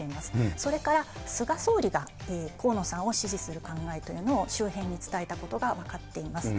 それから菅総理が河野さんを支持する考えというのを周辺に伝えたことが分かっています。